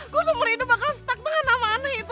gue seumur hidup bakal stuck dengan nama ani itu